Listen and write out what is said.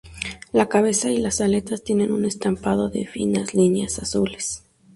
La cabeza y las aletas tienen un estampado de finas líneas azules.